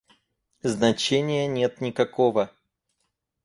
Значения нет никакого.